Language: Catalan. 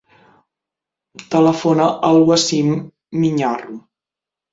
Telefona al Wasim Miñarro.